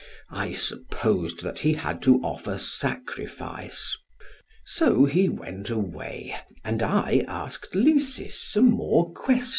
I supposed that he had to offer sacrifice. So he went away and I asked Lysis some more questions."